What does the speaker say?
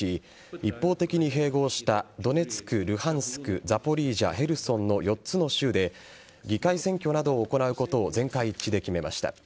一方的に併合したドネツク、ルハンスクザポリージャ、ヘルソンの４つの州で議会選挙などを行うことを全会一致で決めました。